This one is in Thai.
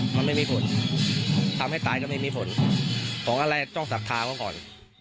มันไม่มีผลทำให้ตายก็ไม่มีผลของอะไรต้องศรัทธาเขาก่อน